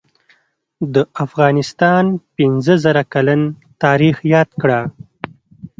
دافغانستان پنځه زره کلن تاریخ یاد کړه